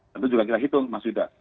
tentu juga kita hitung mas yuda